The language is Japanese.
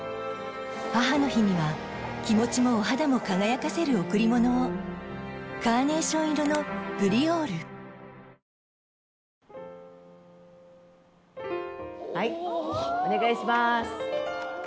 母の日には気持ちもお肌も輝かせる贈り物をカーネーション色のプリオールお願いします。